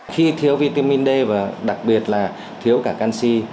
khi thiếu vitamin d và đặc biệt là thiếu cả canxi